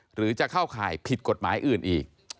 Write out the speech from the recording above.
หรือจะเข้าข่ายผิดกฎหมายอื่นอีก